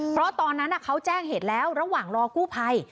เพราะตอนนั้นเขาแจ้งเหตุแล้วระหว่างรอกู้ภัย